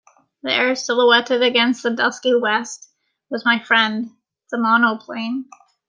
There, silhouetted against the dusky West was my friend, the monoplane.